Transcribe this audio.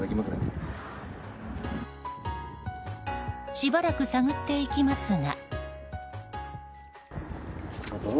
しばらく探っていきますが。